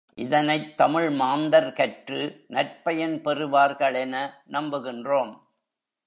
இதனைத் தமிழ்மாந்தர் கற்று நற்பயன் பெறுவார்களென நம்புகின்றோம்.